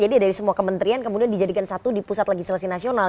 jadi dari semua kementerian kemudian dijadikan satu di pusat legislasi nasional